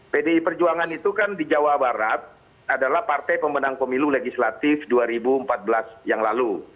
pdi perjuangan itu kan di jawa barat adalah partai pemenang pemilu legislatif dua ribu empat belas yang lalu